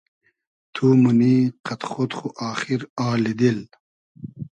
تو مونی قئد خۉد خو آخیر آلی دیل